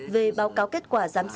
về báo cáo kết quả giám sát